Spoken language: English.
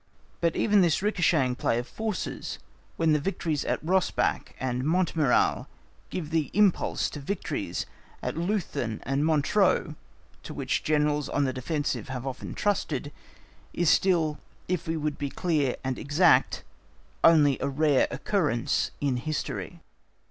But even this ricochetting play of forces, "when the victories at Rosbach and Montmirail give the impulse to victories at Leuthen and Montereau," to which great Generals on the defensive have often trusted, is still, if we would be clear and exact, only a rare occurrence in history.